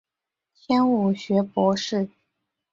迁武学博士。